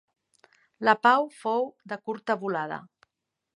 La pau fou de curta volada.